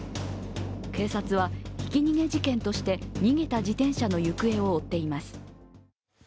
警察はひき逃げ事件として逃げた自転車の行方を追っています。